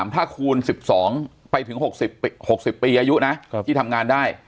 ถ้าคูณ๑๒ไปถึง๖๐ปีอายุนะที่ทำงานได้